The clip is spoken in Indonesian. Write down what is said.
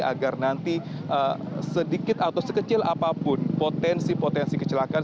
agar nanti sedikit atau sekecil apapun potensi potensi kecelakaan